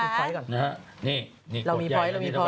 นี่กดใหญ่เรามีพอิท